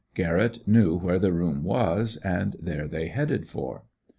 Garrett knew where the room was, and there they headed for.